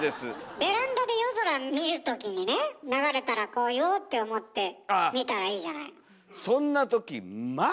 ベランダで夜空見る時にね流れたらこう言おうって思って見たらいいじゃない。